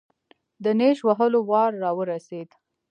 د نېش وهلو وار راورسېد.